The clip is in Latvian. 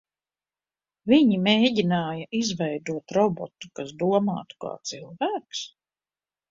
Viņi mēģināja izveidot robotu, kas domātu kā cilvēks?